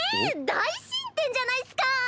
大進展じゃないっスか！